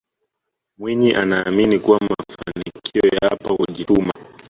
mwinyi anaamini kuwa mafanikio yapo kwa kujituma